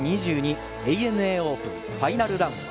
２０２２ＡＮＡオープンファイナルラウンド。